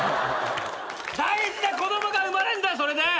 大事な子供が生まれんだよそれで。